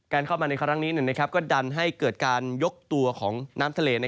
เข้ามาในครั้งนี้ก็ดันให้เกิดการยกตัวของน้ำทะเล